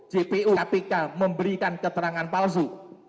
jpu kpk memberikan keterangan palsu